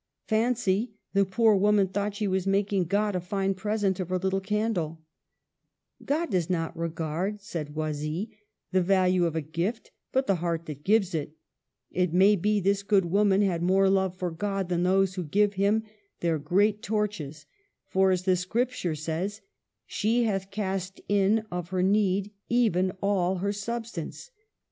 Fancy ! the poor woman thought she was making God a fine present of her little candle !"" God does not regard," said Oisille, " the value of a gift, but the heart that gives it. It may be this good woman had more love for God than those who give him their great torches ; for, as the Scripture says, she hath cast in of her need, even all her substance."